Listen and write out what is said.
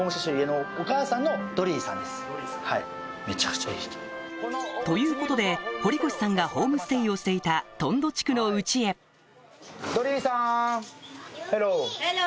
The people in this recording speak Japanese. そしてということで堀越さんがホームステイをしていたトンド地区の家へドリーさん！